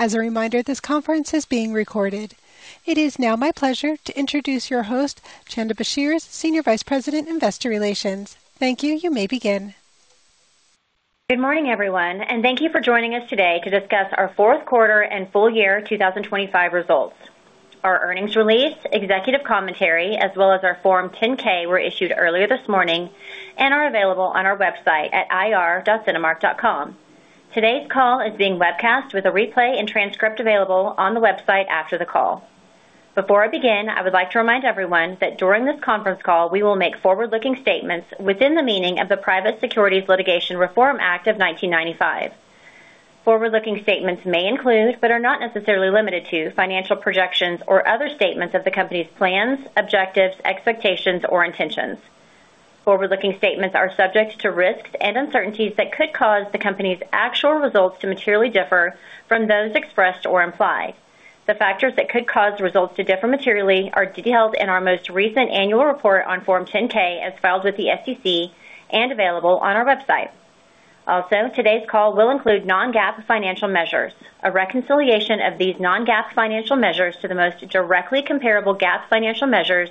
As a reminder, this conference is being recorded. It is now my pleasure to introduce your host, Chanda Brashears, Senior Vice President, Investor Relations. Thank you. You may begin. Good morning, everyone, and thank you for joining us today to discuss our fourth quarter and full year 2025 results. Our earnings release, executive commentary, as well as our Form 10-K, were issued earlier this morning and are available on our website at ir.cinemark.com. Today's call is being webcast with a replay and transcript available on the website after the call. Before I begin, I would like to remind everyone that during this conference call, we will make forward-looking statements within the meaning of the Private Securities Litigation Reform Act of 1995. Forward-looking statements may include, but are not necessarily limited to, financial projections or other statements of the company's plans, objectives, expectations, or intentions. Forward-looking statements are subject to risks and uncertainties that could cause the company's actual results to materially differ from those expressed or implied. The factors that could cause the results to differ materially are detailed in our most recent annual report on Form 10-K as filed with the SEC and available on our website. Also, today's call will include non-GAAP financial measures. A reconciliation of these non-GAAP financial measures to the most directly comparable GAAP financial measures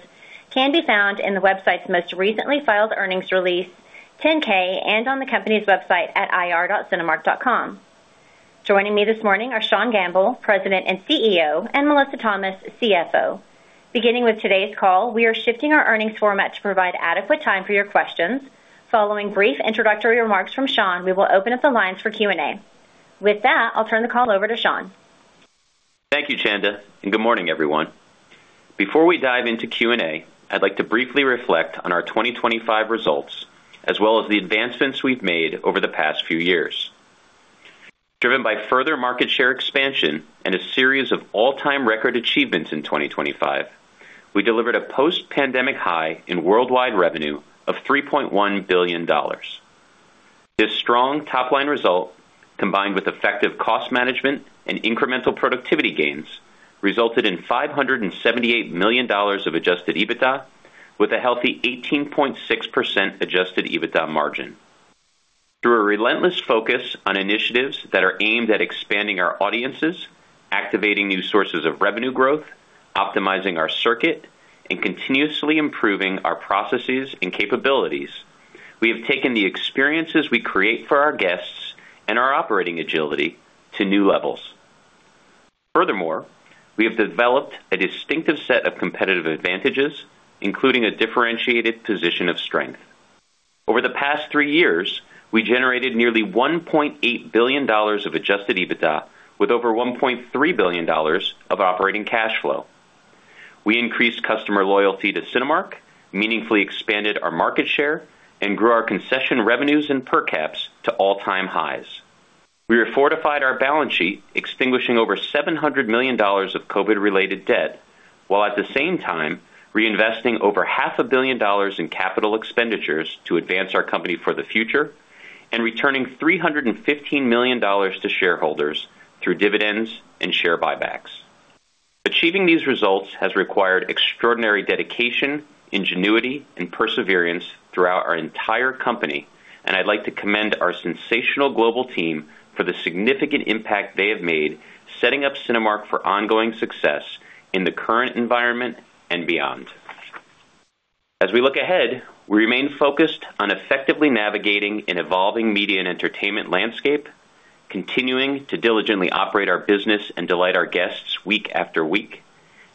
can be found in the website's most recently filed earnings release, 10-K, and on the company's website at ir.cinemark.com. Joining me this morning are Sean Gamble, President and CEO, and Melissa Thomas, CFO. Beginning with today's call, we are shifting our earnings format to provide adequate time for your questions. Following brief introductory remarks from Sean, we will open up the lines for Q&A. With that, I'll turn the call over to Sean. Thank you, Chanda, and good morning, everyone. Before we dive into Q&A, I'd like to briefly reflect on our 2025 results, as well as the advancements we've made over the past few years. Driven by further market share expansion and a series of all-time record achievements in 2025, we delivered a post-pandemic high in worldwide revenue of $3.1 billion. This strong top-line result, combined with effective cost management and incremental productivity gains, resulted in $578 million of adjusted EBITDA, with a healthy 18.6% adjusted EBITDA margin. Through a relentless focus on initiatives that are aimed at expanding our audiences, activating new sources of revenue growth, optimizing our circuit, and continuously improving our processes and capabilities, we have taken the experiences we create for our guests and our operating agility to new levels. Furthermore, we have developed a distinctive set of competitive advantages, including a differentiated position of strength. Over the past three years, we generated nearly $1.8 billion of adjusted EBITDA, with over $1.3 billion of operating cash flow. We increased customer loyalty to Cinemark, meaningfully expanded our market share, and grew our concession revenues and per caps to all-time highs. We have fortified our balance sheet, extinguishing over $700 million of COVID-related debt, while at the same time reinvesting over $500 million in capital expenditures to advance our company for the future and returning $315 million to shareholders through dividends and share buybacks. Achieving these results has required extraordinary dedication, ingenuity, and perseverance throughout our entire company, and I'd like to commend our sensational global team for the significant impact they have made, setting up Cinemark for ongoing success in the current environment and beyond. As we look ahead, we remain focused on effectively navigating an evolving media and entertainment landscape, continuing to diligently operate our business and delight our guests week after week,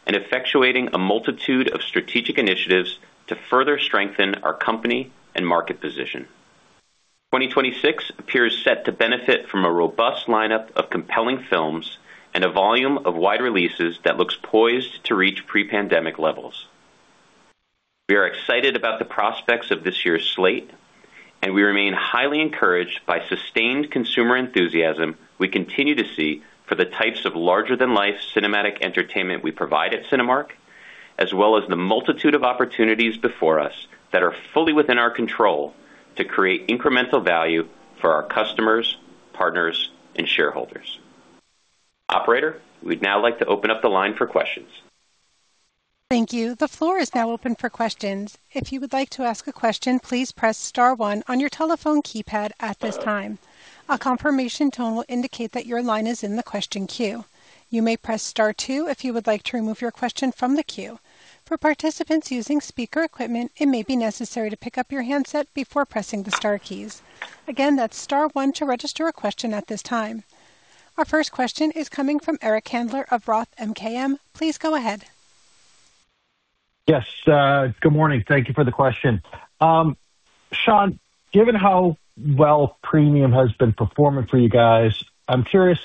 and effectuating a multitude of strategic initiatives to further strengthen our company and market position. 2026 appears set to benefit from a robust lineup of compelling films and a volume of wide releases that looks poised to reach pre-pandemic levels. We are excited about the prospects of this year's slate, and we remain highly encouraged by sustained consumer enthusiasm we continue to see for the types of larger-than-life cinematic entertainment we provide at Cinemark, as well as the multitude of opportunities before us that are fully within our control to create incremental value for our customers, partners, and shareholders. Operator, we'd now like to open up the line for questions. Thank you. The floor is now open for questions. If you would like to ask a question, please press star one on your telephone keypad at this time. A confirmation tone will indicate that your line is in the question queue. You may press star two if you would like to remove your question from the queue. For participants using speaker equipment, it may be necessary to pick up your handset before pressing the star keys. Again, that's star one to register a question at this time. Our first question is coming from Eric Handler of Roth MKM. Please go ahead. Yes, good morning. Thank you for the question. Sean, given how well premium has been performing for you guys, I'm curious,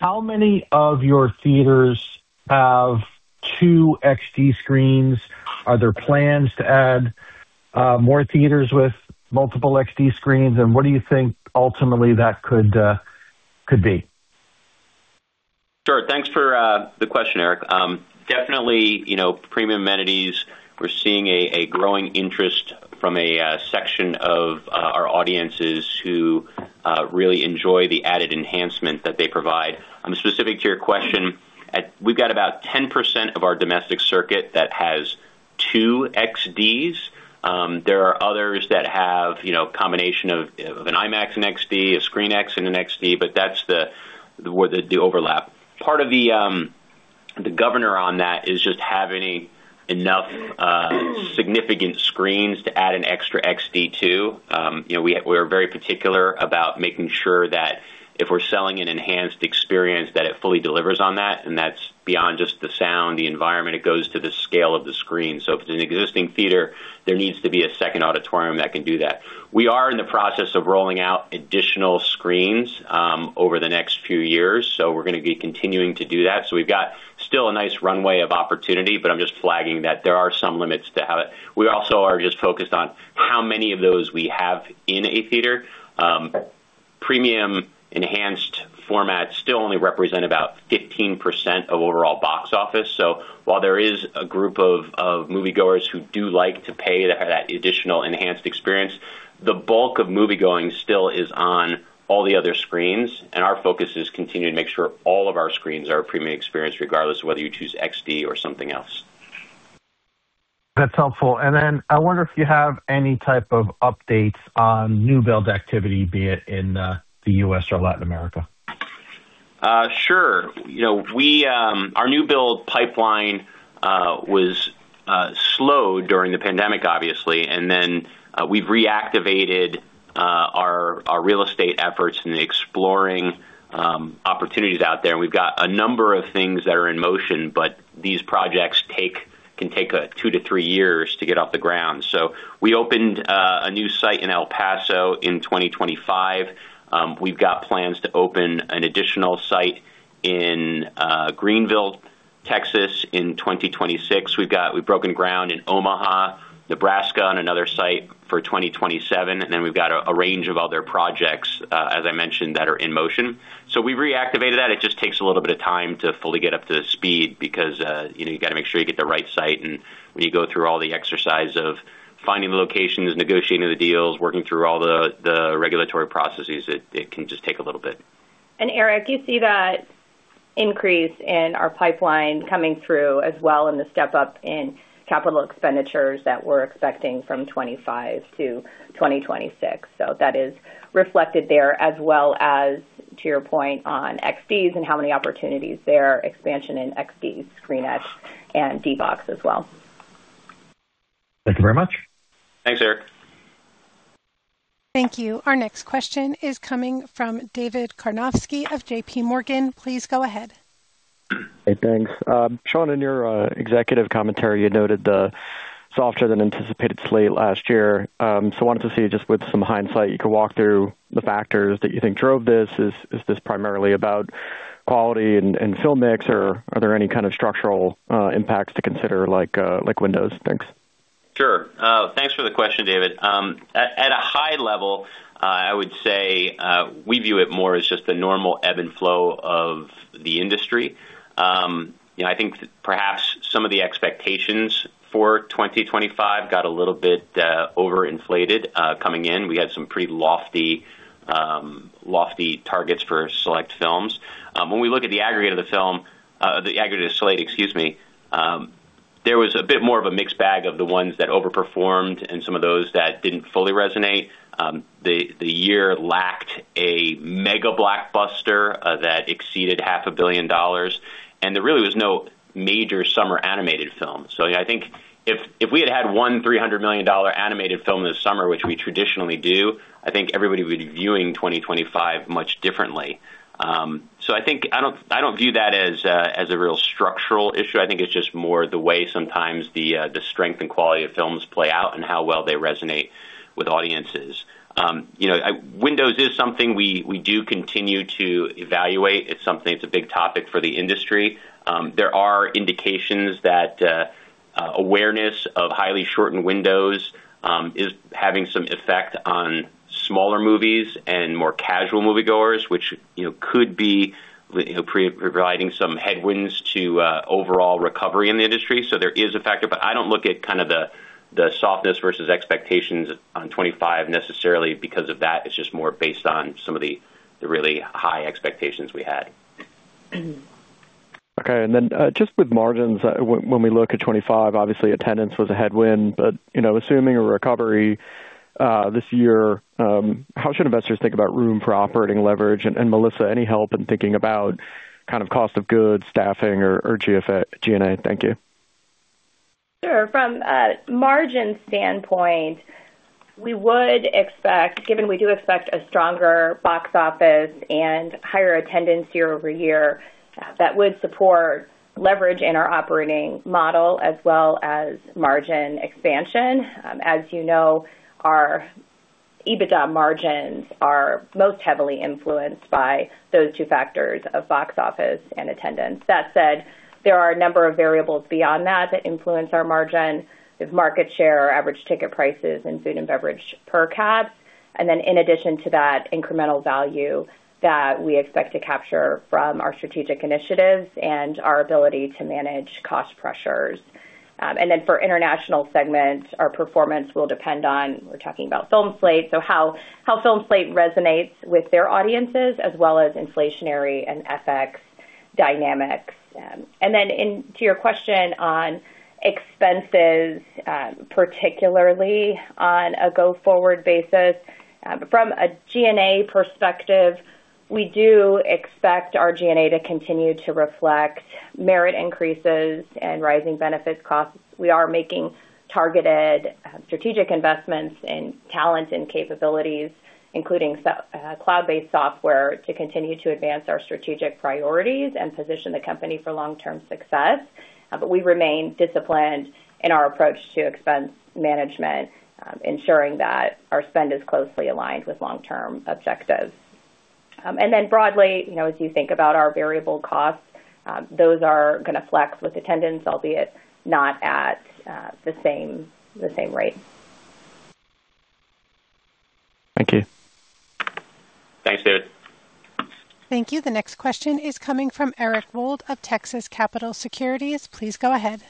how many of your theaters have two XD screens? Are there plans to add more theaters with multiple XD screens, and what do you think ultimately that could be? Sure. Thanks for the question, Eric. Definitely, you know, premium amenities, we're seeing a growing interest from a section of our audiences who really enjoy the added enhancement that they provide. Specific to your question, we've got about 10% of our domestic circuit that has two XDs. There are others that have, you know, a combination of an IMAX and XD, a ScreenX and an XD, but that's the overlap. Part of the governor on that is just having enough significant screens to add an extra XD to. You know, we're very particular about making sure that if we're selling an enhanced experience, that it fully delivers on that, and that's beyond just the sound, the environment, it goes to the scale of the screen. So if it's an existing theater, there needs to be a second auditorium that can do that. We are in the process of rolling out additional screens over the next few years, so we're going to be continuing to do that. So we've got still a nice runway of opportunity, but I'm just flagging that there are some limits to have it. We also are just focused on how many of those we have in a theater. Premium enhanced formats still only represent about 15% of overall box office. So while there is a group of, of moviegoers who do like to pay that, that additional enhanced experience, the bulk of moviegoing still is on all the other screens, and our focus is continuing to make sure all of our screens are a premium experience, regardless of whether you choose XD or something else. That's helpful. And then I wonder if you have any type of updates on new build activity, be it in the U.S. or Latin America? Sure. You know, we, our new build pipeline was slowed during the pandemic, obviously, and then, we've reactivated our real estate efforts and exploring opportunities out there. And we've got a number of things that are in motion, but these projects take- can take two to three years to get off the ground. So we opened a new site in El Paso in 2025. We've got plans to open an additional site in Greenville, Texas, in 2026. We've broken ground in Omaha, Nebraska, on another site for 2027, and then we've got a range of other projects, as I mentioned, that are in motion. So we reactivated that. It just takes a little bit of time to fully get up to speed because, you know, you got to make sure you get the right site. And when you go through all the exercise of finding the locations, negotiating the deals, working through all the regulatory processes, it can just take a little bit. And Eric, you see that increase in our pipeline coming through as well, and the step up in capital expenditures that we're expecting from 2025 to 2026. So that is reflected there, as well as to your point on XDs and how many opportunities there are, expansion in XD, ScreenX, and D-BOX as well. Thank you very much. Thanks, Eric. Thank you. Our next question is coming from David Karnovsky of JPMorgan. Please go ahead. Hey, thanks. Sean, in your executive commentary, you noted the softer than anticipated slate last year. So wanted to see, just with some hindsight, you could walk through the factors that you think drove this. Is this primarily about quality and film mix, or are there any kind of structural impacts to consider, like windows? Thanks. Sure. Thanks for the question, David. At a high level, I would say we view it more as just the normal ebb and flow of the industry. You know, I think perhaps some of the expectations for 2025 got a little bit overinflated. Coming in, we had some pretty lofty targets for select films. When we look at the aggregate of the slate, excuse me, there was a bit more of a mixed bag of the ones that overperformed and some of those that didn't fully resonate. The year lacked a mega blockbuster that exceeded $500 million, and there really was no major summer animated film. So I think if we had had one $300 million animated film this summer, which we traditionally do, I think everybody would be viewing 2025 much differently. So I think I don't view that as a real structural issue. I think it's just more the way sometimes the strength and quality of films play out and how well they resonate with audiences. You know, windows is something we do continue to evaluate. It's something that's a big topic for the industry. There are indications that awareness of highly shortened windows is having some effect on smaller movies and more casual moviegoers, which you know could be you know providing some headwinds to overall recovery in the industry. So there is a factor, but I don't look at kind of the softness versus expectations on 2025 necessarily because of that. It's just more based on some of the really high expectations we had. Okay. And then, just with margins, when we look at 2025, obviously attendance was a headwind, but, you know, assuming a recovery, this year, how should investors think about room for operating leverage? And Melissa, any help in thinking about kind of cost of goods, staffing or G&A? Thank you. Sure. From a margin standpoint, we would expect, given we do expect a stronger box office and higher attendance year-over-year, that would support leverage in our operating model as well as margin expansion. As you know, our EBITDA margins are most heavily influenced by those two factors of box office and attendance. That said, there are a number of variables beyond that that influence our margin: market share, our average ticket prices, and food and beverage per cap. And then in addition to that, incremental value that we expect to capture from our strategic initiatives and our ability to manage cost pressures. And then for international segments, our performance will depend on—we're talking about film slate—so how film slate resonates with their audiences, as well as inflationary and FX dynamics. And then into your question on expenses, particularly on a go-forward basis, from a G&A perspective, we do expect our G&A to continue to reflect merit increases and rising benefits costs. We are making targeted strategic investments in talent and capabilities, including cloud-based software, to continue to advance our strategic priorities and position the company for long-term success. But we remain disciplined in our approach to expense management, ensuring that our spend is closely aligned with long-term objectives. And then broadly, as you think about our variable costs, those are going to flex with attendance, albeit not at the same rate. Thank you. Thanks, David. Thank you. The next question is coming from Eric Wold of Texas Capital Securities. Please go ahead.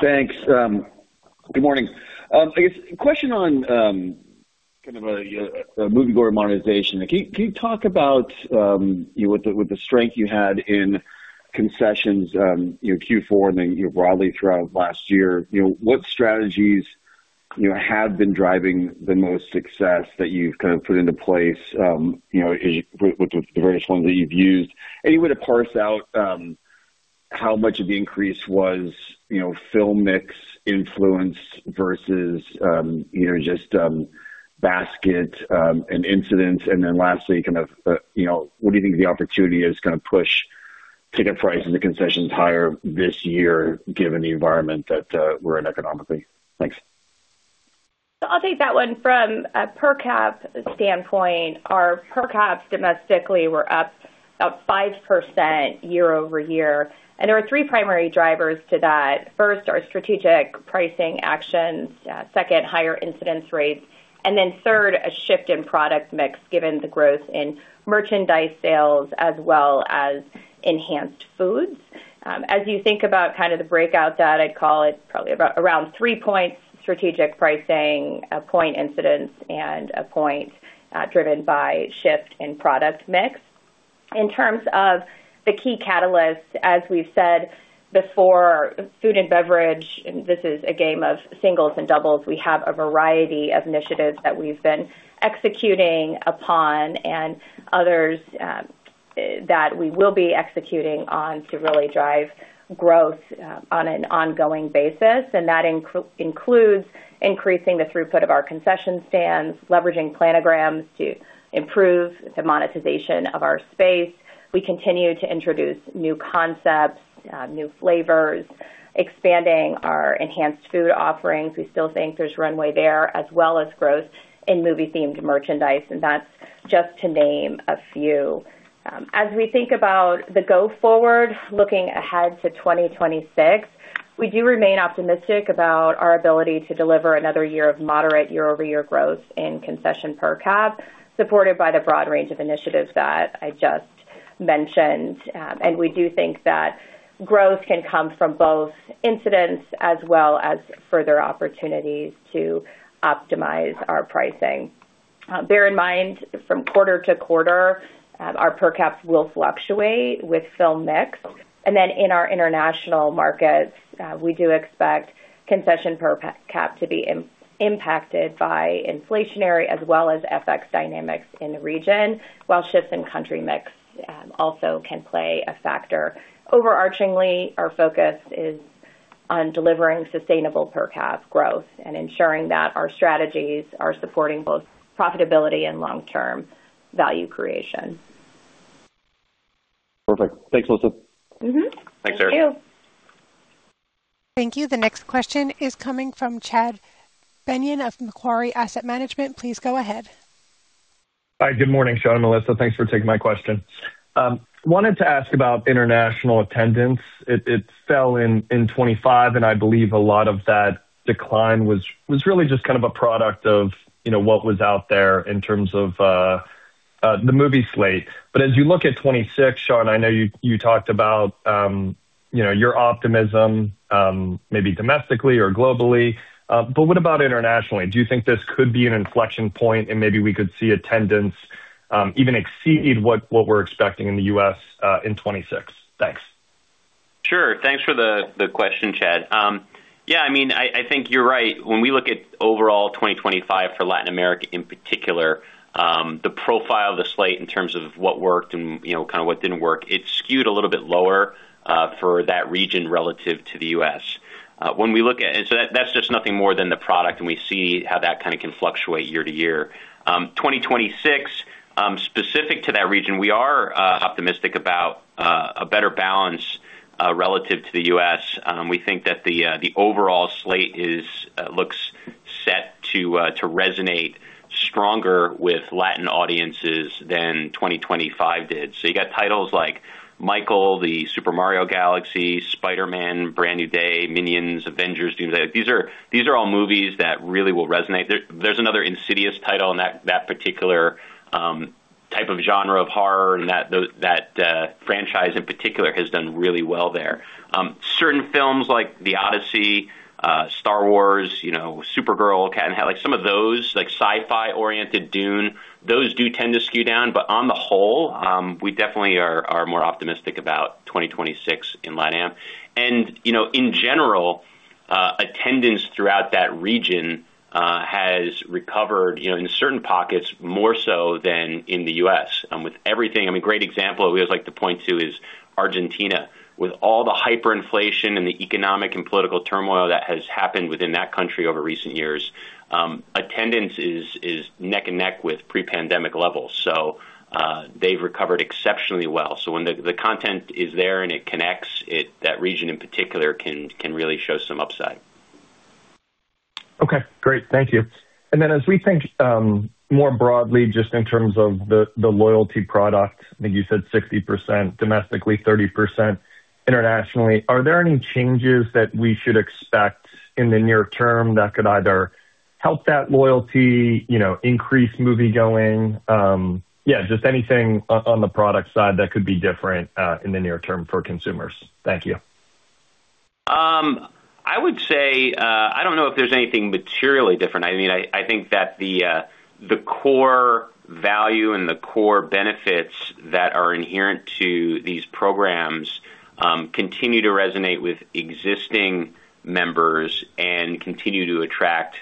Thanks. Good morning. I guess question on, kind of a, a movie board monetization. Can you talk about, you know, with the strength you had in concessions in Q4 and then, you know, broadly throughout last year, you know, what strategies, you know, have been driving the most success that you've kind of put into place, you know, with the various ones that you've used? Any way to parse out how much of the increase was, you know, film mix influence versus, you know, just basket and incidents? And then lastly, kind of, you know, what do you think the opportunity is going to push ticket prices and concessions higher this year, given the environment that we're in economically? Thanks. So I'll take that one. From a per cap standpoint, our per caps domestically were up, up 5% year-over-year, and there are three primary drivers to that. First, our strategic pricing actions, second, higher incidence rates, and then third, a shift in product mix, given the growth in merchandise sales as well as enhanced foods. As you think about kind of the breakout that I'd call it, probably about around three points, strategic pricing, a point incidence, and a point, driven by shift in product mix. In terms of the key catalysts, as we've said before, food and beverage, and this is a game of singles and doubles. We have a variety of initiatives that we've been executing upon and others, that we will be executing on to really drive growth, on an ongoing basis. That includes increasing the throughput of our concession stands, leveraging planograms to improve the monetization of our space. We continue to introduce new concepts, new flavors, expanding our enhanced food offerings. We still think there's runway there, as well as growth in movie-themed merchandise, and that's just to name a few. As we think about the go-forward, looking ahead to 2026, we do remain optimistic about our ability to deliver another year of moderate year-over-year growth in concession per cap, supported by the broad range of initiatives that I just mentioned. We do think that growth can come from both incidents as well as further opportunities to optimize our pricing. Bear in mind, from quarter to quarter, our per caps will fluctuate with film mix, and then in our international markets, we do expect concession per cap to be impacted by inflationary as well as FX dynamics in the region, while shifts in country mix also can play a factor. Overarchingly, our focus is on delivering sustainable per cap growth and ensuring that our strategies are supporting both profitability and long-term value creation. Perfect. Thanks, Melissa. Mm-hmm. Thanks, Eric. Thank you. Thank you. The next question is coming from Chad Beynon of Macquarie Asset Management. Please go ahead. Hi, good morning, Sean and Melissa. Thanks for taking my question. Wanted to ask about international attendance. It fell in 2025, and I believe a lot of that decline was really just kind of a product of, you know, what was out there in terms of the movie slate. But as you look at 2026, Sean, I know you talked about, you know, your optimism, maybe domestically or globally, but what about internationally? Do you think this could be an inflection point and maybe we could see attendance even exceed what we're expecting in the U.S. in 2026? Thanks. Sure. Thanks for the question, Chad. Yeah, I mean, I think you're right. When we look at overall 2025 for Latin America in particular, the profile of the slate in terms of what worked and, you know, kind of what didn't work, it skewed a little bit lower for that region relative to the U.S. When we look at... And so that's just nothing more than the product, and we see how that kind of can fluctuate year to year. 2026, specific to that region, we are optimistic about a better balance relative to the U.S. We think that the overall slate looks set to resonate stronger with Latin audiences than 2025 did. So you got titles like Michael, the Super Mario Galaxy, Spider-Man: Brand New Day, Minions, Avengers, Dune. These are all movies that really will resonate. There's another Insidious title, and that particular type of genre of horror and that franchise in particular has done really well there. Certain films like The Odyssey, Star Wars, you know, Supergirl, Cat in the Hat, like some of those, like sci-fi-oriented Dune, those do tend to skew down. But on the whole, we definitely are more optimistic about 2026 in LatAm. And, you know, in general, attendance throughout that region has recovered, you know, in certain pockets, more so than in the U.S. With everything, I mean, a great example we always like to point to is Argentina. With all the hyperinflation and the economic and political turmoil that has happened within that country over recent years, attendance is neck and neck with pre-pandemic levels, so they've recovered exceptionally well. So when the content is there and it connects, that region, in particular, can really show some upside. Okay, great. Thank you. And then as we think more broadly, just in terms of the loyalty product, I think you said 60% domestically, 30% internationally, are there any changes that we should expect in the near-term that could either help that loyalty, you know, increase moviegoing? Yeah, just anything on the product side that could be different in the near term for consumers. Thank you. I would say, I don't know if there's anything materially different. I mean, I think that the core value and the core benefits that are inherent to these programs continue to resonate with existing members and continue to attract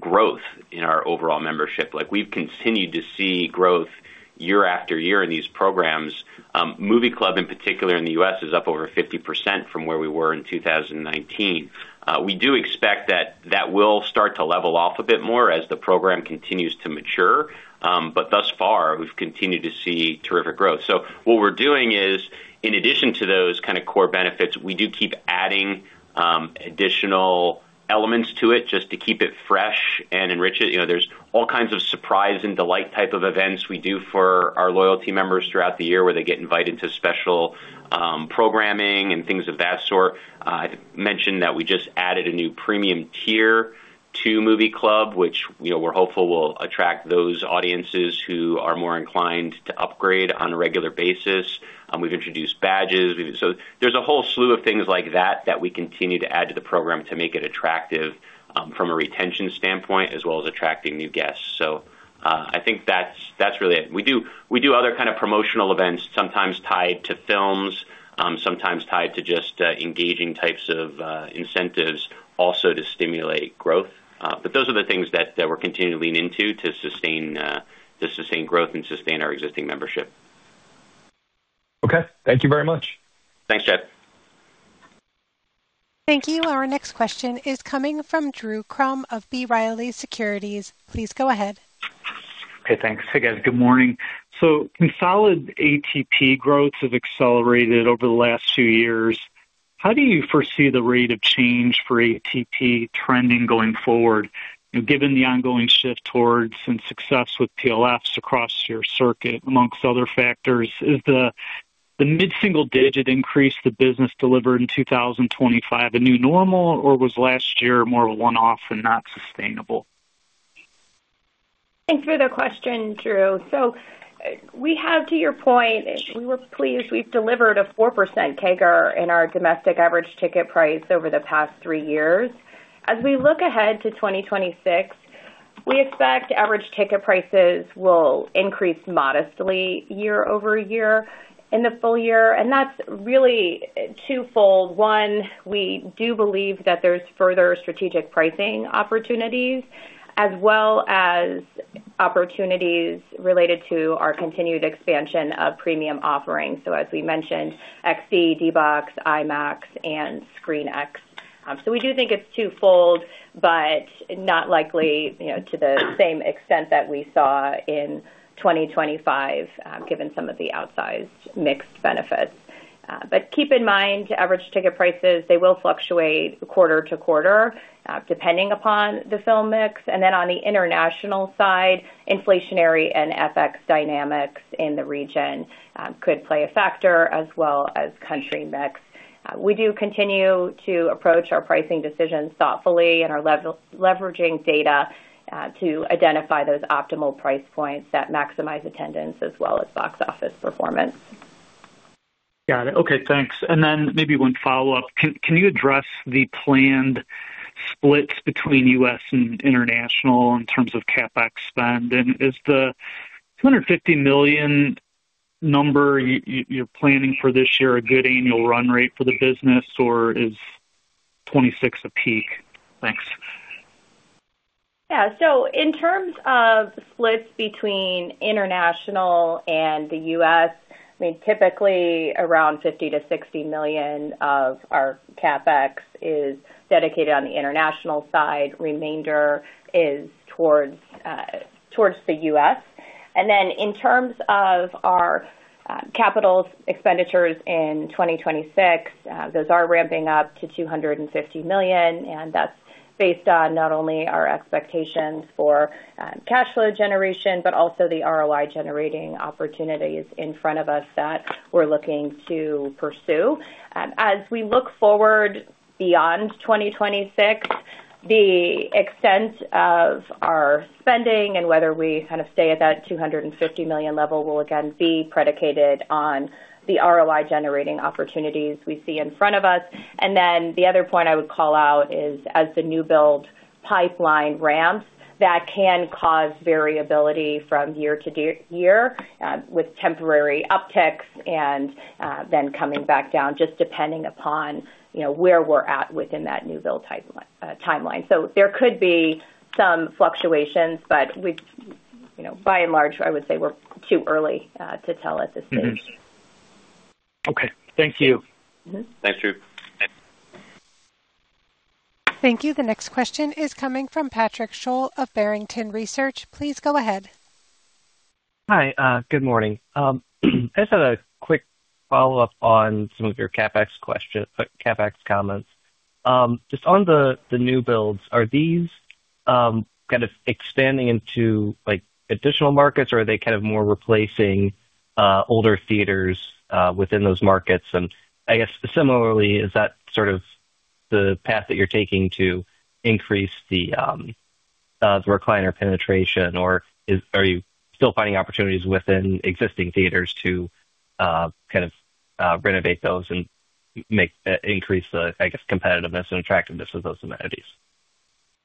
growth in our overall membership. Like, we've continued to see growth year after year in these programs. Movie Club, in particular in the U.S., is up over 50% from where we were in 2019. We do expect that that will start to level off a bit more as the program continues to mature. But thus far, we've continued to see terrific growth. So what we're doing is, in addition to those kind of core benefits, we do keep adding additional elements to it just to keep it fresh and enrich it. You know, there's all kinds of surprise and delight type of events we do for our loyalty members throughout the year, where they get invited to special programming and things of that sort. I mentioned that we just added a new premium tier to Movie Club, which, you know, we're hopeful will attract those audiences who are more inclined to upgrade on a regular basis. We've introduced badges. So there's a whole slew of things like that that we continue to add to the program to make it attractive from a retention standpoint, as well as attracting new guests. So I think that's really it. We do other kind of promotional events, sometimes tied to films, sometimes tied to just engaging types of incentives, also to stimulate growth. But those are the things that we're continuing to lean into to sustain growth and sustain our existing membership. Okay. Thank you very much. Thanks, Chad. Thank you. Our next question is coming from Drew Crum of B. Riley Securities. Please go ahead. Okay, thanks. Hey, guys. Good morning. So consolidated ATP growth have accelerated over the last two years. How do you foresee the rate of change for ATP trending going forward, given the ongoing shift towards and success with PLFs across your circuit, amongst other factors? Is the mid-single-digit increase the business delivered in 2025 a new normal, or was last year more of a one-off and not sustainable? Thanks for the question, Drew. So we have, to your point, we were pleased. We've delivered a 4% CAGR in our domestic average ticket price over the past three years. As we look ahead to 2026, we expect average ticket prices will increase modestly year-over-year in the full year, and that's really twofold. One, we do believe that there's further strategic pricing opportunities as well as opportunities related to our continued expansion of premium offerings, so as we mentioned, XD, D-BOX, IMAX, and ScreenX. So we do think it's twofold, but not likely, you know, to the same extent that we saw in 2025, given some of the outsized mixed benefits. But keep in mind, average ticket prices, they will fluctuate quarter-to-quarter, depending upon the film mix. And then on the international side, inflationary and FX dynamics in the region could play a factor as well as country mix. We do continue to approach our pricing decisions thoughtfully and are leveraging data to identify those optimal price points that maximize attendance as well as box office performance. Got it. Okay, thanks. And then maybe one follow-up. Can you address the planned splits between U.S. and international in terms of CapEx spend? And is the $250 million number you're planning for this year a good annual run rate for the business, or is 2026 a peak? Thanks. Yeah, in terms of splits between international and the U.S., I mean, typically around $50 million-$60 million of our CapEx is dedicated on the international side. The remainder is towards the U.S. In terms of our capital expenditures in 2026, those are ramping up to $250 million, and that's based on not only our expectations for cash flow generation, but also the ROI-generating opportunities in front of us that we're looking to pursue. As we look forward beyond 2026, the extent of our spending and whether we kind of stay at that $250 million level will again be predicated on the ROI-generating opportunities we see in front of us. And then the other point I would call out is, as the new build pipeline ramps, that can cause variability from year-to-year, with temporary upticks and then coming back down, just depending upon, you know, where we're at within that new build timeline. So there could be some fluctuations, but you know, by and large, I would say we're too early to tell at this stage. Mm-hmm. Okay. Thank you. Mm-hmm. Thanks, Drew. Thank you. The next question is coming from Patrick Sholl of Barrington Research. Please go ahead. Hi, good morning. I just had a quick follow-up on some of your CapEx comments. Just on the new builds, are these kind of expanding into, like, additional markets, or are they kind of more replacing older theaters within those markets? And I guess similarly, is that sort of the path that you're taking to increase the recliner penetration, or are you still finding opportunities within existing theaters to kind of renovate those and increase the, I guess, competitiveness and attractiveness of those amenities?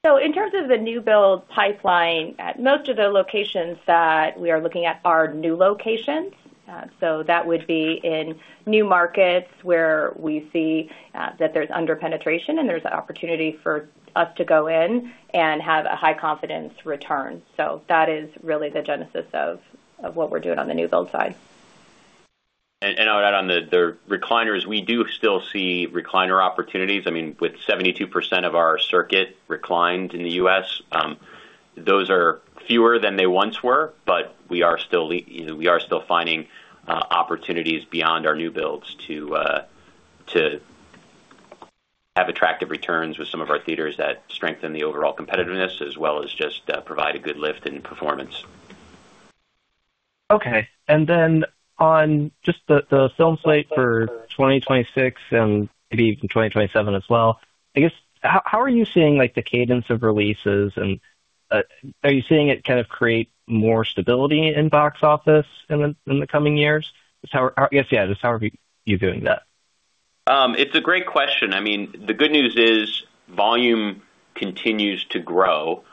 So in terms of the new build pipeline, at most of the locations that we are looking at are new locations. So that would be in new markets where we see that there's under-penetration and there's an opportunity for us to go in and have a high confidence return. So that is really the genesis of what we're doing on the new build side. I'll add on the recliners, we do still see recliner opportunities. I mean, with 72% of our circuit reclined in the U.S., those are fewer than they once were, but we are still, you know, we are still finding opportunities beyond our new builds to have attractive returns with some of our theaters that strengthen the overall competitiveness, as well as just provide a good lift in performance. Okay. And then on just the film slate for 2026 and maybe even 2027 as well, I guess, how are you seeing, like, the cadence of releases, and are you seeing it kind of create more stability in box office in the coming years? Just how are... I guess, yeah, just how are you doing that? It's a great question. I mean, the good news is volume continues to grow.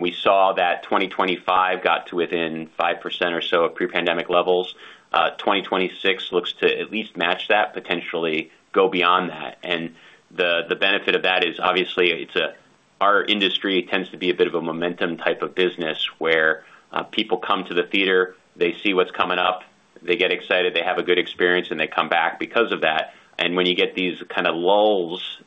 We saw that 2025 got to within 5% or so of pre-pandemic levels. 2026 looks to at least match that, potentially go beyond that. And the benefit of that is obviously it's a... Our industry tends to be a bit of a momentum type of business, where people come to the theater, they see what's coming up, they get excited, they have a good experience, and they come back because of that. And when you get these kind of lulls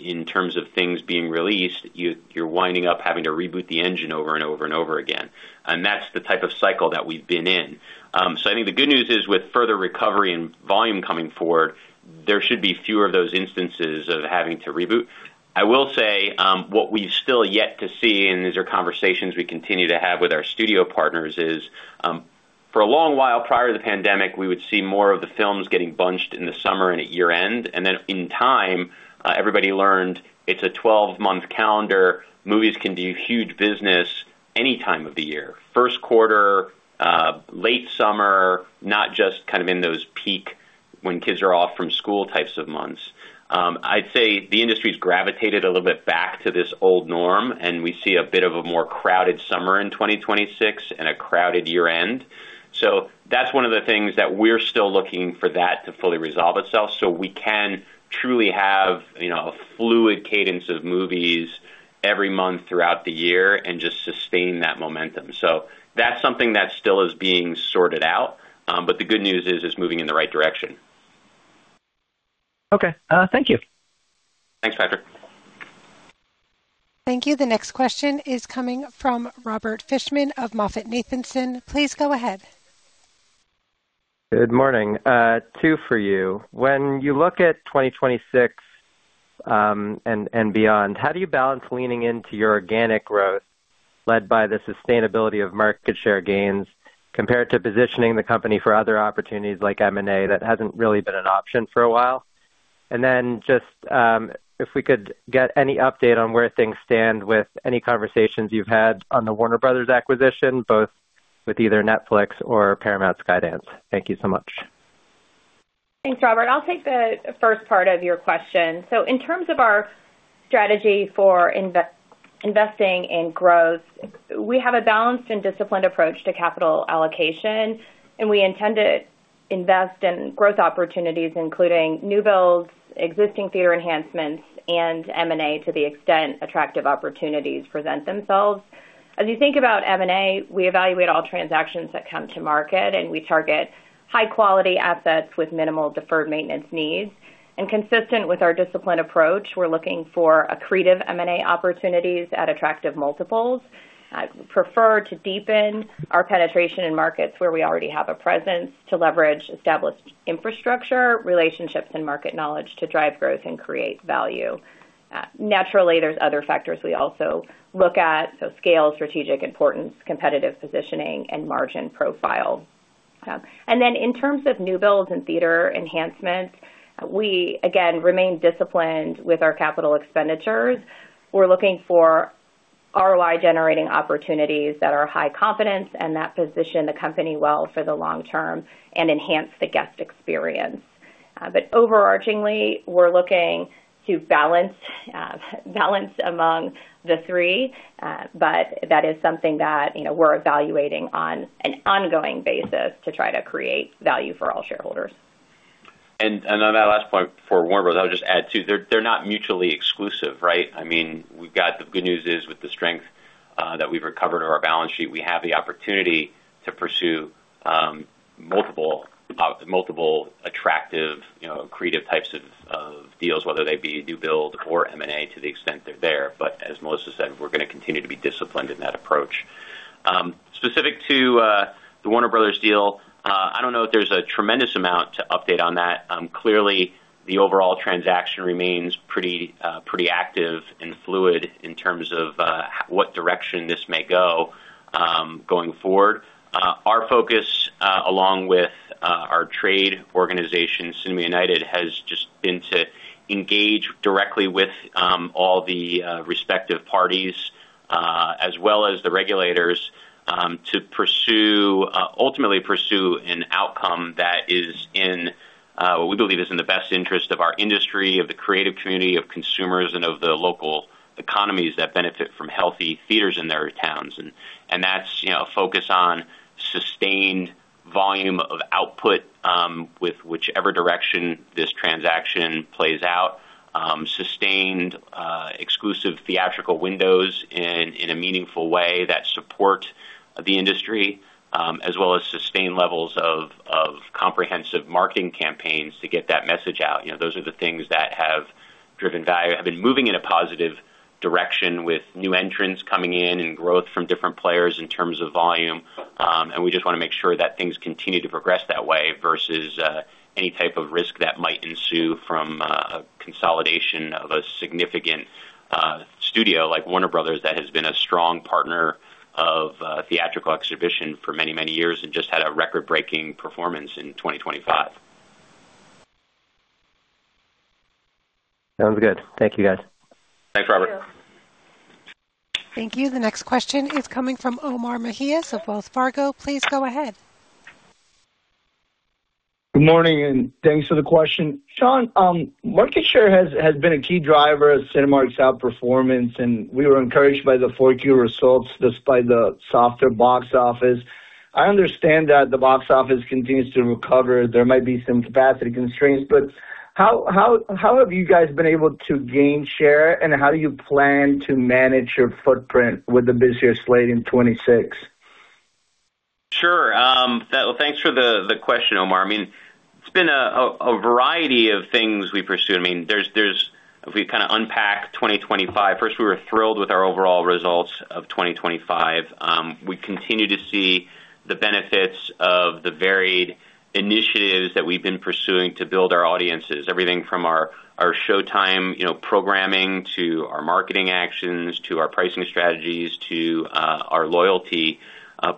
in terms of things being released, you're winding up having to reboot the engine over and over and over again. And that's the type of cycle that we've been in. So I think the good news is with further recovery and volume coming forward, there should be fewer of those instances of having to reboot. I will say, what we've still yet to see, and these are conversations we continue to have with our studio partners, is, for a long while prior to the pandemic, we would see more of the films getting bunched in the summer and at year-end. And then in time, everybody learned it's a 12-month calendar. Movies can do huge business any time of the year, first quarter, late summer, not just kind of in those peak, when kids are off from school types of months. I'd say the industry's gravitated a little bit back to this old norm, and we see a bit of a more crowded summer in 2026 and a crowded year-end. So that's one of the things that we're still looking for that to fully resolve itself, so we can truly have, you know, a fluid cadence of movies every month throughout the year and just sustain that momentum. That's something that still is being sorted out, but the good news is, it's moving in the right direction. Okay, thank you. Thanks, Patrick. Thank you. The next question is coming from Robert Fishman of MoffettNathanson. Please go ahead. Good morning. Two for you. When you look at 2026, and, and beyond, how do you balance leaning into your organic growth, led by the sustainability of market share gains, compared to positioning the company for other opportunities like M&A? That hasn't really been an option for a while. And then just, if we could get any update on where things stand with any conversations you've had on the Warner Bros. acquisition, both with either Netflix or Paramount Skydance. Thank you so much. Thanks, Robert. I'll take the first part of your question. So in terms of our strategy for investing in growth, we have a balanced and disciplined approach to capital allocation, and we intend to invest in growth opportunities, including new builds, existing theater enhancements, and M&A, to the extent attractive opportunities present themselves. As you think about M&A, we evaluate all transactions that come to market, and we target high-quality assets with minimal deferred maintenance needs. And consistent with our disciplined approach, we're looking for accretive M&A opportunities at attractive multiples. I'd prefer to deepen our penetration in markets where we already have a presence to leverage established infrastructure, relationships, and market knowledge to drive growth and create value. Naturally, there's other factors we also look at, so scale, strategic importance, competitive positioning, and margin profile. And then in terms of new builds and theater enhancements, we again remain disciplined with our capital expenditures. We're looking for ROI-generating opportunities that are high confidence and that position the company well for the long term and enhance the guest experience. But overarchingly, we're looking to balance among the three, but that is something that, you know, we're evaluating on an ongoing basis to try to create value for all shareholders. On that last point for Warner Bros., I'll just add, too, they're not mutually exclusive, right? I mean, we've got the good news is, with the strength that we've recovered on our balance sheet, we have the opportunity to pursue multiple attractive, you know, creative types of deals, whether they be new build or M&A, to the extent they're there. But as Melissa said, we're going to continue to be disciplined in that approach. Specific to the Warner Bros. deal, I don't know that there's a tremendous amount to update on that. Clearly, the overall transaction remains pretty active and fluid in terms of what direction this may go going forward. Our focus, along with our trade organization, Cinema United, has just been to engage directly with all the respective parties, as well as the regulators, to ultimately pursue an outcome that is in what we believe is in the best interest of our industry, of the creative community, of consumers, and of the local economies that benefit from healthy theaters in their towns. That's, you know, a focus on sustained volume of output, with whichever direction this transaction plays out, sustained exclusive theatrical windows in a meaningful way that support the industry, as well as sustained levels of comprehensive marketing campaigns to get that message out. You know, those are the things that have driven value, have been moving in a positive direction, with new entrants coming in and growth from different players in terms of volume. We just want to make sure that things continue to progress that way versus any type of risk that might ensue from a consolidation of a significant studio like Warner Bros., that has been a strong partner of theatrical exhibition for many, many years and just had a record-breaking performance in 2025. Sounds good. Thank you, guys. Thanks, Robert. Thank you. The next question is coming from Omar Mejias of Wells Fargo. Please go ahead. Good morning, and thanks for the question. Sean, market share has been a key driver of Cinemark's outperformance, and we were encouraged by the 4Q results, despite the softer box office. I understand that the box office continues to recover. There might be some capacity constraints, but how have you guys been able to gain share, and how do you plan to manage your footprint with the busier slate in 2026? Sure. So thanks for the question, Omar. I mean, it's been a variety of things we pursue. I mean, there's... If we kind of unpack 2025, first, we were thrilled with our overall results of 2025. We continue to see the benefits of the varied initiatives that we've been pursuing to build our audiences. Everything from our showtime, you know, programming, to our marketing actions, to our pricing strategies, to our loyalty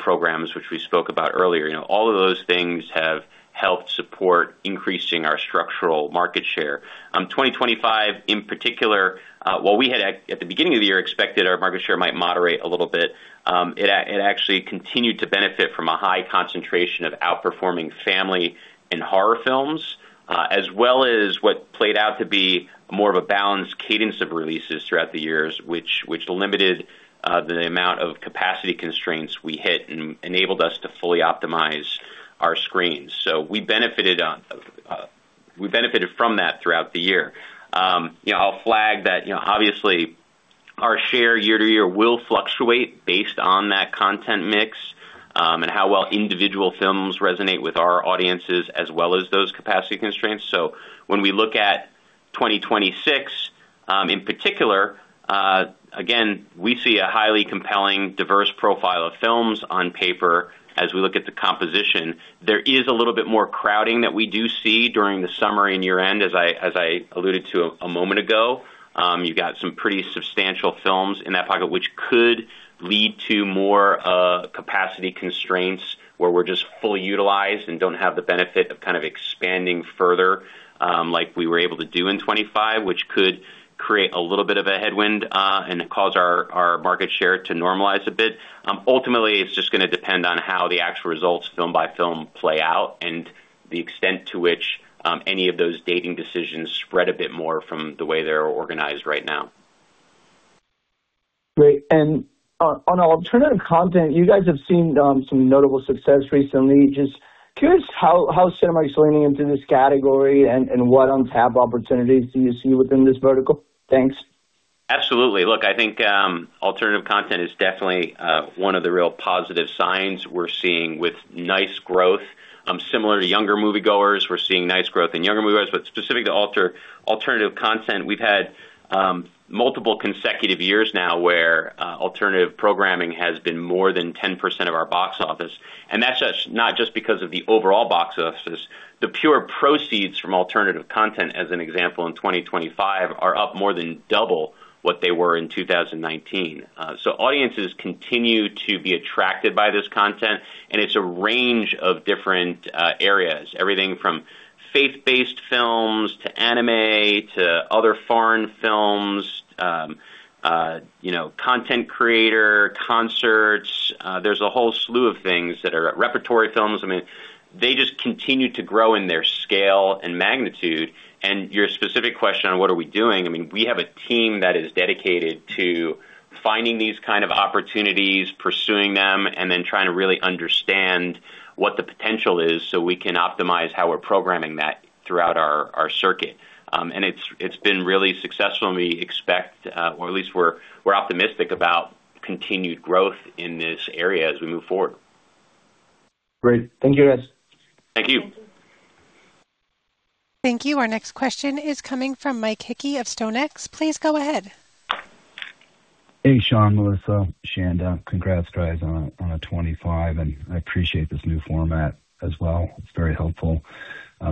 programs, which we spoke about earlier. You know, all of those things have helped support increasing our structural market share. 2025, in particular, while we had, at the beginning of the year, expected our market share might moderate a little bit, it actually continued to benefit from a high concentration of outperforming family and horror films, as well as what played out to be more of a balanced cadence of releases throughout the years, which limited the amount of capacity constraints we hit and enabled us to fully optimize our screens. So we benefited from that throughout the year. You know, I'll flag that, you know, obviously, our share year to year will fluctuate based on that content mix, and how well individual films resonate with our audiences, as well as those capacity constraints. So when we look at 2026, in particular, again, we see a highly compelling, diverse profile of films on paper as we look at the composition. There is a little bit more crowding that we do see during the summer and year-end, as I alluded to a moment ago. You've got some pretty substantial films in that pocket, which could lead to more capacity constraints, where we're just fully utilized and don't have the benefit of kind of expanding further, like we were able to do in 2025, which could create a little bit of a headwind, and cause our market share to normalize a bit. Ultimately, it's just going to depend on how the actual results, film by film, play out and the extent to which any of those dating decisions spread a bit more from the way they're organized right now. Great. And on alternative content, you guys have seen some notable success recently. Just curious how Cinemark's leaning into this category and what other opportunities do you see within this vertical? Thanks. Absolutely. Look, I think, alternative content is definitely one of the real positive signs we're seeing with nice growth, similar to younger moviegoers. We're seeing nice growth in younger moviegoers, but specific to alternative content, we've had multiple consecutive years now where alternative programming has been more than 10% of our box office, and that's just not just because of the overall box office. The pure proceeds from alternative content, as an example, in 2025, are up more than double what they were in 2019. So audiences continue to be attracted by this content, and it's a range of different areas, everything from faith-based films to anime to other foreign films, you know, content creator, concerts. There's a whole slew of things that are repertory films. I mean, they just continue to grow in their scale and magnitude. And your specific question on what are we doing? I mean, we have a team that is dedicated to finding these kind of opportunities, pursuing them, and then trying to really understand what the potential is, so we can optimize how we're programming that throughout our circuit. And it's been really successful, and we expect, or at least we're optimistic about continued growth in this area as we move forward. Great. Thank you, guys. Thank you. Thank you. Our next question is coming from Mike Hickey of StoneX. Please go ahead. Hey, Sean, Melissa, Chanda. Congrats, guys, on a 2025, and I appreciate this new format as well. It's very helpful.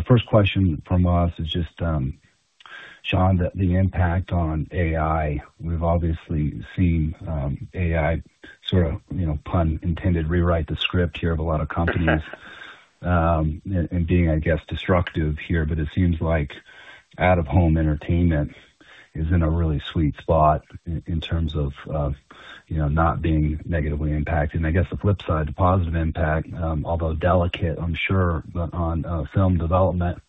First question from us is just, Sean, the impact on AI. We've obviously seen AI sort of, you know, pun intended, rewrite the script here of a lot of companies, and being, I guess, destructive here. But it seems like out-of-home entertainment is in a really sweet spot in terms of, you know, not being negatively impacted. And I guess the flip side, the positive impact, although delicate, I'm sure, but on film development,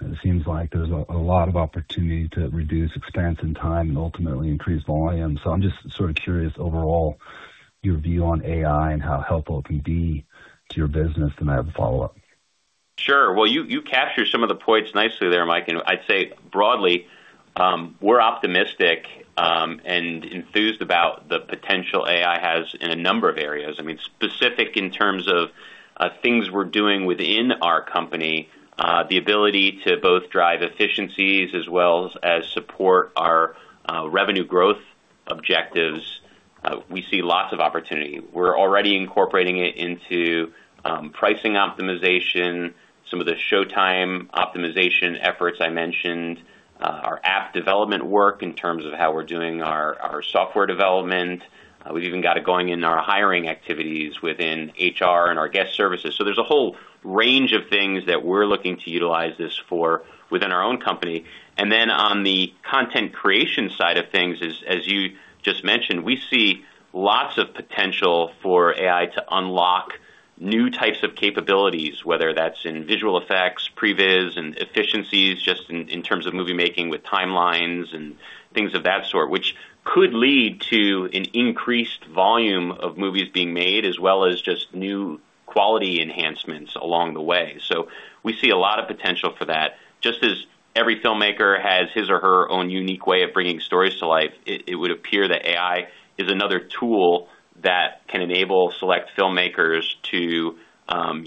it seems like there's a lot of opportunity to reduce expense and time and ultimately increase volume. So I'm just sort of curious, overall, your view on AI and how helpful it can be to your business. Then I have a follow-up. Sure. Well, you, you captured some of the points nicely there, Mike, and I'd say broadly, we're optimistic, and enthused about the potential AI has in a number of areas. I mean, specific in terms of, things we're doing within our company, the ability to both drive efficiencies as well as, as support our, revenue growth objectives, we see lots of opportunity. We're already incorporating it into, pricing optimization, some of the showtime optimization efforts I mentioned, our app development work in terms of how we're doing our, our software development. We've even got it going in our hiring activities within HR and our guest services. So there's a whole range of things that we're looking to utilize this for within our own company. And then on the content creation side of things, as you just mentioned, we see lots of potential for AI to unlock new types of capabilities, whether that's in visual effects, pre-vis and efficiencies, just in terms of movie making with timelines and things of that sort, which could lead to an increased volume of movies being made, as well as just new quality enhancements along the way. So we see a lot of potential for that. Just as every filmmaker has his or her own unique way of bringing stories to life, it would appear that AI is another tool that can enable select filmmakers to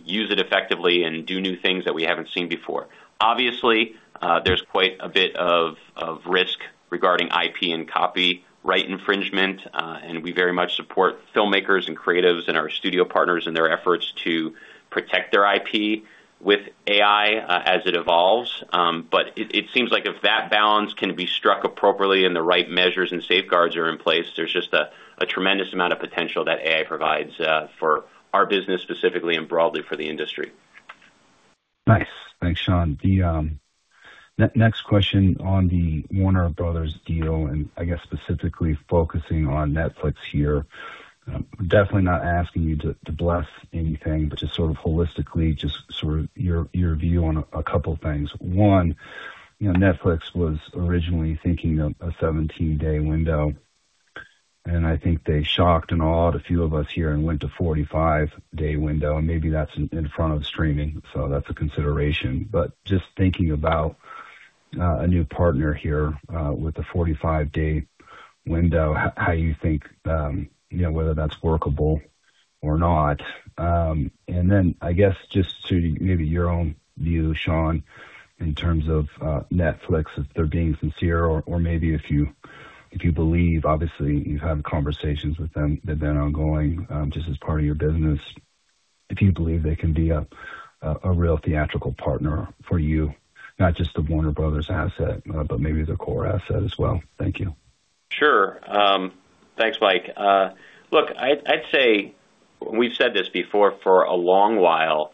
use it effectively and do new things that we haven't seen before. Obviously, there's quite a bit of risk regarding IP and copyright infringement, and we very much support filmmakers and creatives and our studio partners in their efforts to protect their IP with AI, as it evolves. But it seems like if that balance can be struck appropriately and the right measures and safeguards are in place, there's just a tremendous amount of potential that AI provides, for our business, specifically and broadly for the industry. Nice. Thanks, Sean. The next question on the Warner Bros. deal, and I guess specifically focusing on Netflix here. Definitely not asking you to bless anything, but just sort of holistically, just sort of your view on a couple things. One, you know, Netflix was originally thinking of a 17-day window, and I think they shocked and awed a few of us here and went to 45-day window, and maybe that's in front of the streaming, so that's a consideration. But just thinking about a new partner here with a 45-day window, how you think, you know, whether that's workable or not? And then, I guess, just to maybe your own view, Sean, in terms of, Netflix, if they're being sincere or, or maybe if you, if you believe, obviously, you've had conversations with them, they've been ongoing, just as part of your business. If you believe they can be a, a real theatrical partner for you, not just the Warner Bros. asset, but maybe the core asset as well. Thank you. Sure. Thanks, Mike. Look, I'd say we've said this before for a long while,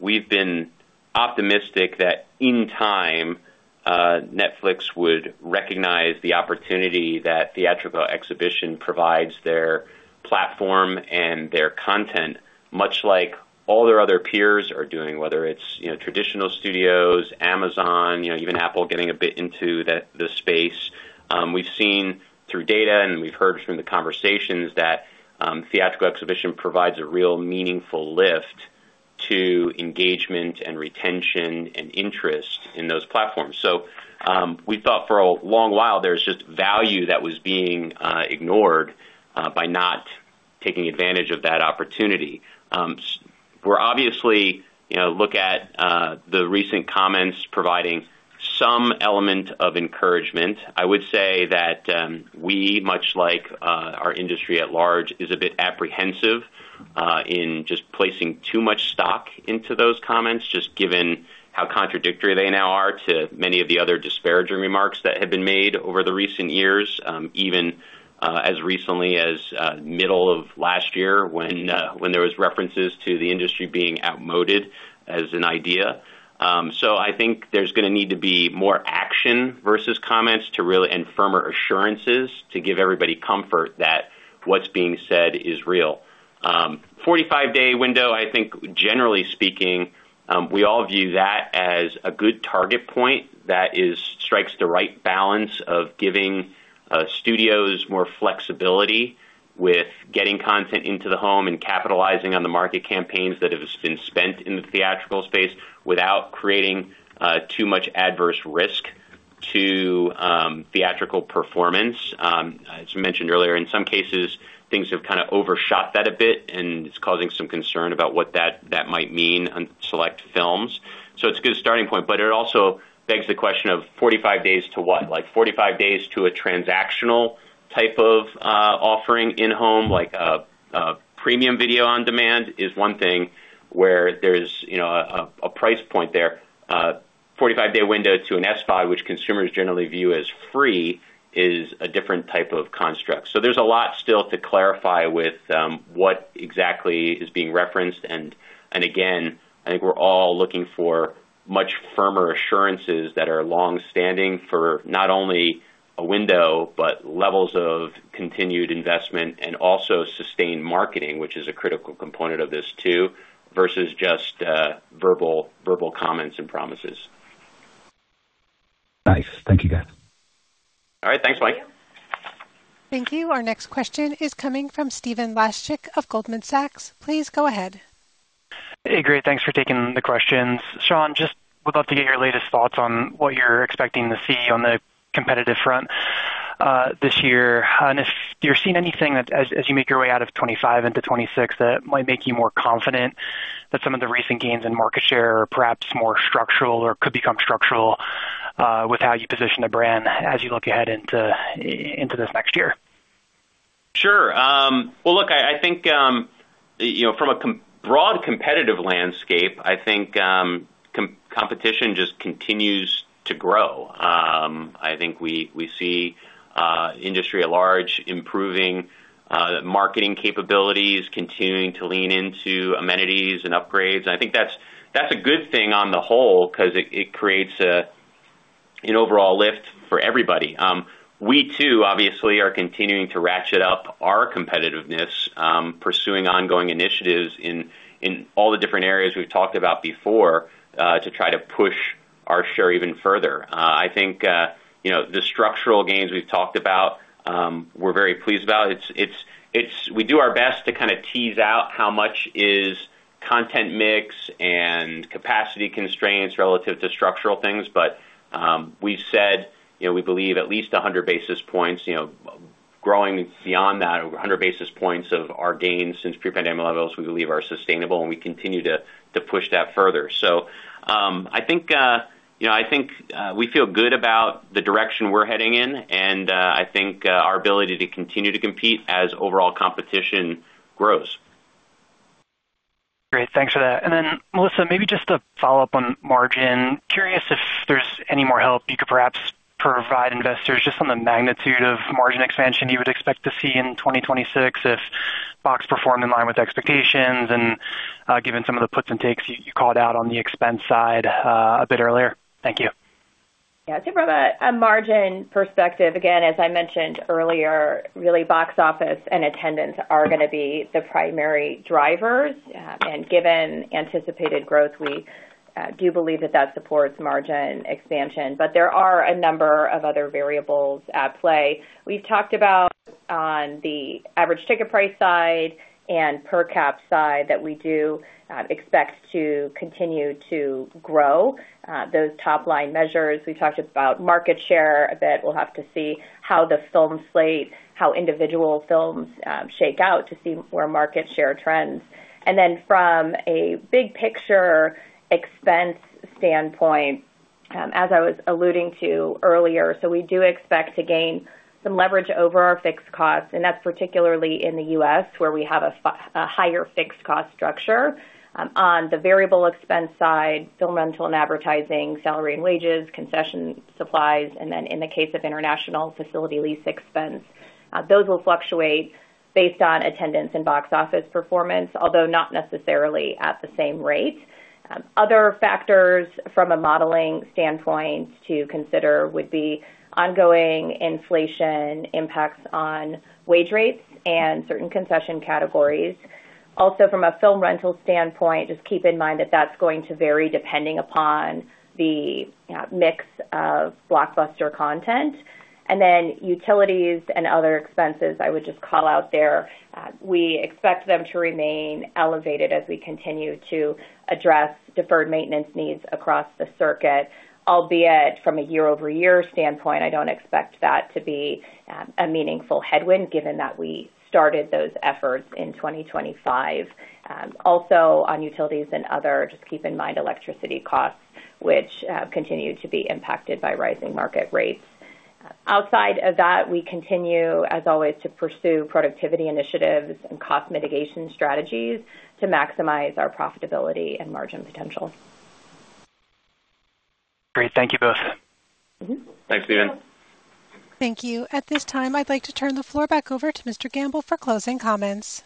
we've been optimistic that in time, Netflix would recognize the opportunity that theatrical exhibition provides their platform and their content, much like all their other peers are doing, whether it's, you know, traditional studios, Amazon, you know, even Apple getting a bit into the space. We've seen through data and we've heard from the conversations that, theatrical exhibition provides a real meaningful lift to engagement and retention and interest in those platforms. So, we thought for a long while there was just value that was being, ignored, by not taking advantage of that opportunity. We're obviously, you know, look at, the recent comments providing some element of encouragement. I would say that, we, much like, our industry at large, is a bit apprehensive, in just placing too much stock into those comments, just given how contradictory they now are to many of the other disparaging remarks that have been made over the recent years, even, as recently as, middle of last year, when there was references to the industry being outmoded as an idea. So I think there's going to need to be more action versus comments to really... and firmer assurances, to give everybody comfort that what's being said is real. 45-day window, I think generally speaking, we all view that as a good target point that is, strikes the right balance of giving studios more flexibility with getting content into the home and capitalizing on the marketing campaigns that have been spent in the theatrical space without creating too much adverse risk to theatrical performance. As mentioned earlier, in some cases, things have kind of overshot that a bit, and it's causing some concern about what that might mean on select films. So it's a good starting point, but it also begs the question of 45 days to what? Like, 45 days to a transactional type of offering in-home, like a price point there. 45-day window to an SVOD, which consumers generally view as free, is a different type of construct. So there's a lot still to clarify with what exactly is being referenced. And again, I think we're all looking for much firmer assurances that are long-standing for not only a window, but levels of continued investment and also sustained marketing, which is a critical component of this too, versus just verbal comments and promises. Nice. Thank you, guys. All right. Thanks, Mike. Thank you. Our next question is coming from Stephen Laszczyk of Goldman Sachs. Please go ahead. Hey, great. Thanks for taking the questions. Sean, just would love to get your latest thoughts on what you're expecting to see on the competitive front, this year. And if you're seeing anything that as you make your way out of 2025 into 2026, that might make you more confident that some of the recent gains in market share are perhaps more structural or could become structural, with how you position the brand as you look ahead into, into this next year. Sure. Well, look, I think, you know, from a broad competitive landscape, I think, competition just continues to grow. I think we see the industry at large improving marketing capabilities, continuing to lean into amenities and upgrades. I think that's a good thing on the whole, 'cause it creates an overall lift for everybody. We, too, obviously are continuing to ratchet up our competitiveness, pursuing ongoing initiatives in all the different areas we've talked about before, to try to push our share even further. I think, you know, the structural gains we've talked about, we're very pleased about. It's – we do our best to kind of tease out how much is content mix and capacity constraints relative to structural things. But, we've said, you know, we believe at least 100 basis points, you know, growing beyond that, over 100 basis points of our gains since pre-pandemic levels, we believe are sustainable, and we continue to push that further. So, I think, you know, I think, we feel good about the direction we're heading in, and, I think, our ability to continue to compete as overall competition grows. Great. Thanks for that. And then, Melissa, maybe just a follow-up on margin. Curious if there's any more help you could perhaps provide investors just on the magnitude of margin expansion you would expect to see in 2026 if box performed in line with expectations and, given some of the puts and takes you called out on the expense side, a bit earlier? Thank you. Yeah, I think from a margin perspective, again, as I mentioned earlier, really, box office and attendance are gonna be the primary drivers. And given anticipated growth, we do believe that that supports margin expansion. But there are a number of other variables at play. We've talked about on the average ticket price side and per cap side, that we do expect to continue to grow those top-line measures. We've talked about market share a bit. We'll have to see how the film slate, how individual films, shake out to see where market share trends. And then from a big picture expense standpoint, as I was alluding to earlier, so we do expect to gain some leverage over our fixed costs, and that's particularly in the U.S., where we have a higher fixed cost structure. On the variable expense side, film rental and advertising, salary and wages, concessions, supplies, and then, in the case of international, facility lease expense, those will fluctuate based on attendance and box office performance, although not necessarily at the same rate. Other factors from a modeling standpoint to consider would be ongoing inflation impacts on wage rates and certain concession categories. Also, from a film rental standpoint, just keep in mind that that's going to vary depending upon the mix of blockbuster content. And then utilities and other expenses, I would just call out there. We expect them to remain elevated as we continue to address deferred maintenance needs across the circuit, albeit from a year-over-year standpoint, I don't expect that to be a meaningful headwind, given that we started those efforts in 2025. Also, on utilities and other, just keep in mind electricity costs, which continue to be impacted by rising market rates. Outside of that, we continue, as always, to pursue productivity initiatives and cost mitigation strategies to maximize our profitability and margin potential. Great. Thank you both. Mm-hmm. Thanks, Stephen. Thank you. At this time, I'd like to turn the floor back over to Mr. Gamble for closing comments.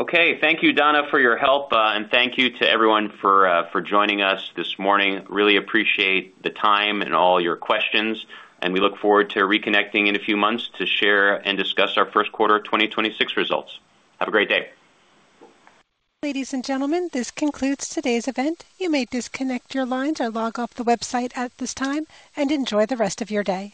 Okay. Thank you, Donna, for your help, and thank you to everyone for joining us this morning. Really appreciate the time and all your questions, and we look forward to reconnecting in a few months to share and discuss our first quarter of 2026 results. Have a great day. Ladies and gentlemen, this concludes today's event. You may disconnect your lines or log off the website at this time, and enjoy the rest of your day.